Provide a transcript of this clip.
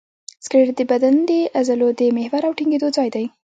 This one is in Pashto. سکلیټ د بدن د عضلو د محور او ټینګېدو ځای دی.